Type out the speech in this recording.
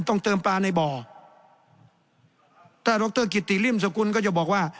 ต้องเติมปลาในบ่อแต่ตีลิ่นสกุลก็จะบอกว่า